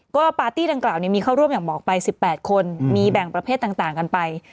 ก็ปาร์ตี้ดังกล่าวมีเข้าร่วมอย่างบอกไป๑๘คนมีแบ่งประเภทต่างกันไป